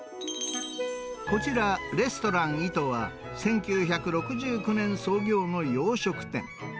こちら、レストランイトは、１９６９年創業の洋食店。